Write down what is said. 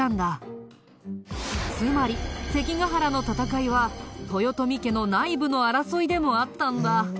つまり関ヶ原の戦いは豊臣家の内部の争いでもあったんだ。